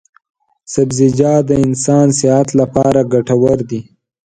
سبزیجات د انسان صحت لپاره ګټور دي.